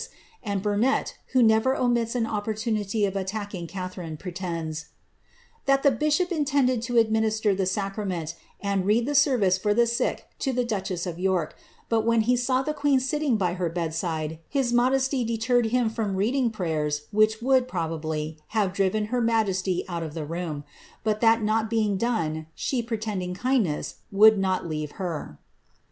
289 cluchpst; and Burnet, who never omits an opportunity of attacking Catharine, pretends ^ that the bishop intended to administer the sacrar menu and read the service for the sick to the duchess of York, but when he saw tiie queen sitting by her bedside, his modesty deterred him from reading prayers which would, probably, have driven her majesty out of the room ; but, that not being done, she, pretending kindness, would not leave her.''